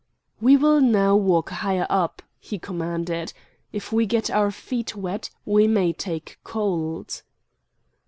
"We will now walk higher up," he commanded. "If we get our feet wet, we may take cold."